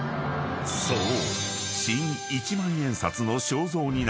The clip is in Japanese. ［そう］